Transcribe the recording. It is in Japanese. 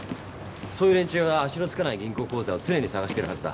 そういう連中は足のつかない銀行口座を常に探してるはずだ。